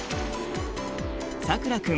さくら君